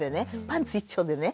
パンツ一丁でね。